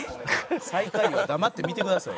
最下位は黙って見てください。